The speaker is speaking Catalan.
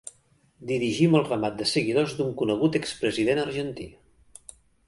Dirigim el ramat de seguidors d'un conegut expresident argentí.